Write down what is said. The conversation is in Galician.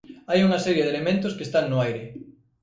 Hai unha serie de elementos que están no aire.